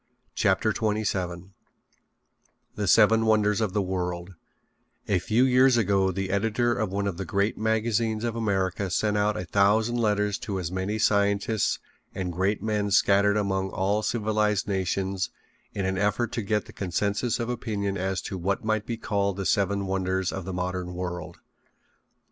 CHAPTER XXVII THE SEVEN WONDERS OF THE WORLD A few years ago the editor of one of the great magazines of America sent out a thousand letters to as many scientists and great men scattered among all civilized nations in an effort to get the consensus of opinion as to what might be called the seven wonders of the modern world.